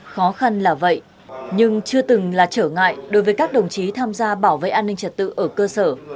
khó khăn là vậy nhưng chưa từng là trở ngại đối với các đồng chí tham gia bảo vệ an ninh trật tự ở cơ sở